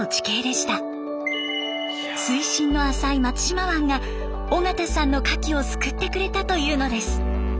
水深の浅い松島湾が尾形さんのカキを救ってくれたというのです。